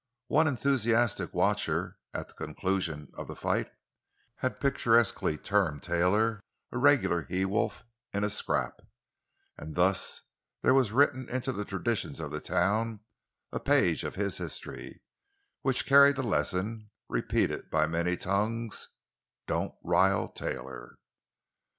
One enthusiastic watcher, at the conclusion of the fight, had picturesquely termed Taylor a "regular he wolf in a scrap;" and thus there was written into the traditions of the town a page of his history which carried the lesson, repeated by many tongues: "Don't rile Taylor!"